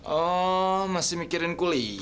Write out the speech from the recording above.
oh masih mikirin kuliah